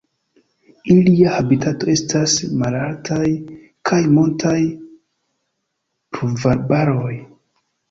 Ilia habitato estas malaltaj kaj montaj pluvarbaroj.